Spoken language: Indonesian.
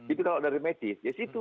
itu kalau dari medis ya situ